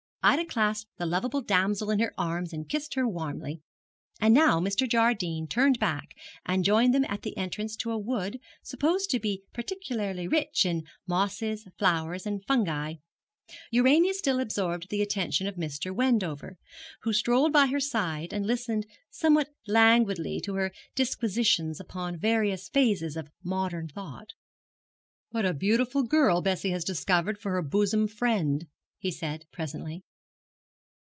Ida clasped the lovable damsel in her arms and kissed her warmly. And now Mr. Jardine turned back and joined them at the entrance to a wood supposed to be particularly rich in mosses, flowers, and fungi. Urania still absorbed the attention of Mr. Wendover, who strolled by her side and listened somewhat languidly to her disquisitions upon various phases of modern thought. 'What a beautiful girl Bessie has discovered for her bosom friend,' he said, presently.